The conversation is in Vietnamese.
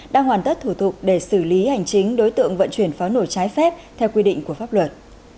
đang hoàn tất thủ tục để xử lý hành chính đối tượng vận chuyển pháo nổi trái phép theo quy định của pháp luật